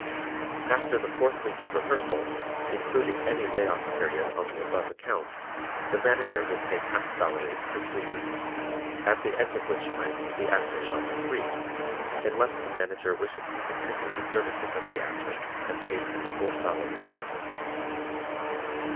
After the fourth week of rehearsal, including any lay off period on the above account, the Manager will pay half salaries for two weeks, at the end of which time the Actor shall be free, unless the Manager wishes to continue the services of the Actor and pays him full salary therefor.